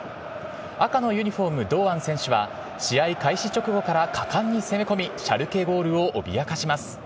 赤のユニホーム、堂安選手は、試合開始直後から果敢に攻め込み、シャルケゴールを脅かします。